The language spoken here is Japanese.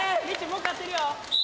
もう勝ってるよ。